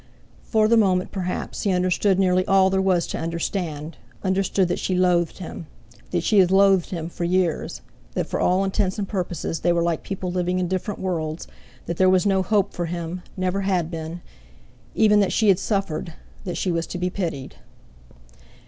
For the moment, perhaps, he understood nearly all there was to understand—understood that she loathed him, that she had loathed him for years, that for all intents and purposes they were like people living in different worlds, that there was no hope for him, never had been; even, that she had suffered—that she was to be pitied.